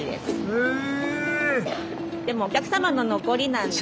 へえ！